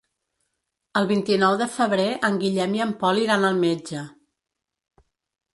El vint-i-nou de febrer en Guillem i en Pol iran al metge.